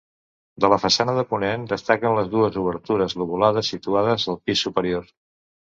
De la façana de ponent destaquen les dues obertures lobulades situades al pis superior.